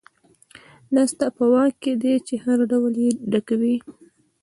دا ستا په واک کې دي چې هر ډول یې ډکوئ.